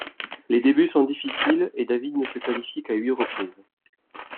Les débuts sont difficiles et David ne se qualifie qu'à huit reprises.